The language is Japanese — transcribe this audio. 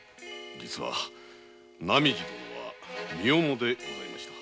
実は浪路殿は身重でございました。